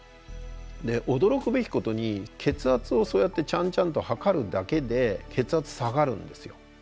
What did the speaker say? で驚くべきことに血圧をそうやってちゃんちゃんと測るだけで血圧下がるんですよ。